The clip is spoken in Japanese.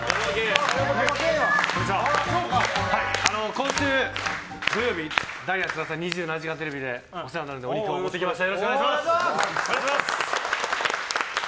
今週、土曜日ダイアン津田さん「２７時間テレビ」でお世話になるのでお肉を持ってきました。